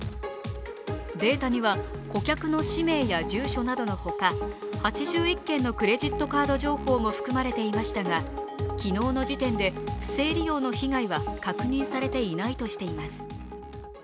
データには顧客の氏名や住所などのほか８１件のクレジットカード情報も含まれていましたが、昨日の時点で不正利用の被害は確認されていないとしています。